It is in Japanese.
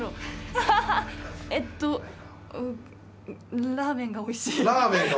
えっとラーメンがおいしい。